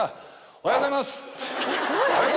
「おはようございます！」。